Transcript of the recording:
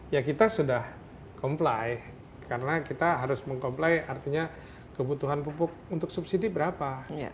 ya kita sudah comply karena kita harus meng comply artinya kebutuhan pupuk untuk subsidi berapa